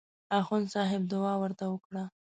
اخندصاحب دعا ورته وکړه.